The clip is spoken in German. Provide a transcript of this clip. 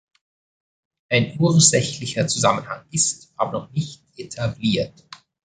Ein ursächlicher Zusammenhang ist aber noch nicht etabliert.